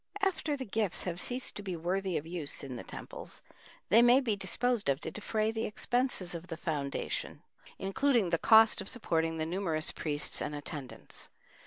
After the gifts have ceased to be worthy of use in the temples, they may be disposed of to defray the expenses of the foundation, including the cost of supporting the numerous priests and attendants.